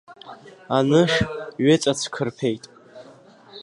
Анышә ҩыҵацәқырԥеит.